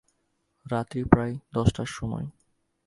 রাত্রি প্রায় দশটার সময়।